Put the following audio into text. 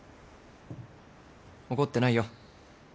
怒ってないよ。